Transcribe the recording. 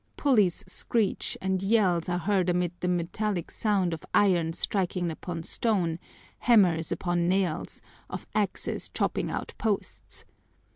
Pulleys screech and yells are heard amid the metallic sound of iron striking upon stone, hammers upon nails, of axes chopping out posts.